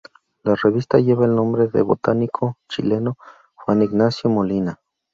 La revista lleva el nombre de botánico chileno Juan Ignacio Molina.